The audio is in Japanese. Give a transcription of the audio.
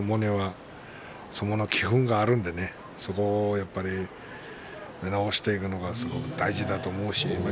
相撲の基本があるのでそこを見直していくのが大事だと思いますね。